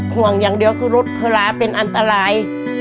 ห่วงอย่างเดียวคือรถเคราเป็นอันตราย